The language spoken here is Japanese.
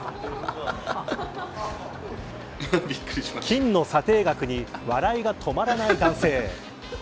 金の査定額に笑いが止まらない男性。